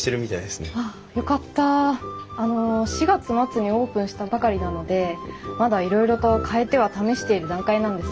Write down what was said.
あの４月末にオープンしたばかりなのでまだいろいろと変えては試している段階なんです。